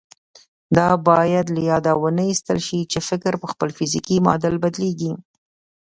دا بايد له ياده ونه ايستل شي چې فکر پر خپل فزيکي معادل بدلېږي.